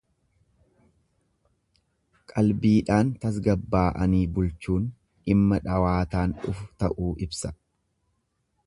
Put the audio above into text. Qalbiidhaan tasgabaa'anii bulchuun dhimma dhawaatan dhufu ta'uu ibsa.